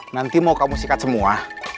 nanti mau kamu sikat semua